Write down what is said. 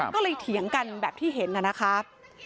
ก็เลยเถียงกันแบบที่เห็นนะครับ